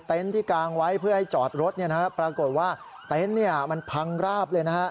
ที่กางไว้เพื่อให้จอดรถปรากฏว่าเต็นต์มันพังราบเลยนะฮะ